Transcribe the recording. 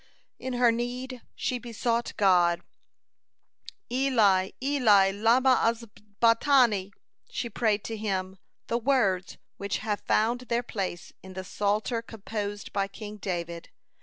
In her need, she besought God: "Eli, Eli, lamah azabtani," and prayed to Him the words which have found their place in the Psalter composed by King David.